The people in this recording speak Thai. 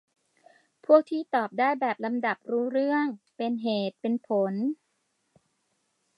พวกที่ตอบได้แบบลำดับรู้เรื่อง เป็นเหตุเป็นผล